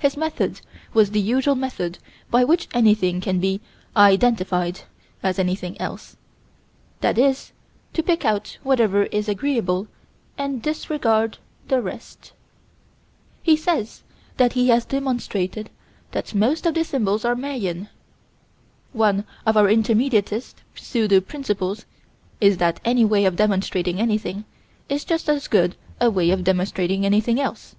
His method was the usual method by which anything can be "identified" as anything else: that is to pick out whatever is agreeable and disregard the rest. He says that he has demonstrated that most of the symbols are Mayan. One of our intermediatist pseudo principles is that any way of demonstrating anything is just as good a way of demonstrating anything else.